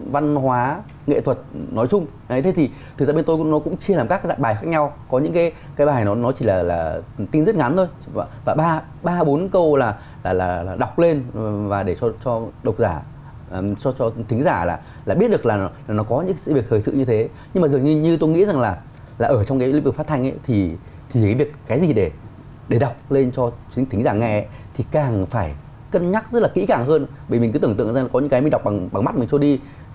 và như thế thì nó sẽ rất là khôi hài